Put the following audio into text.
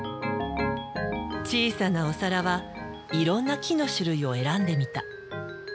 小さなお皿はいろんな木の種類を選んでみた。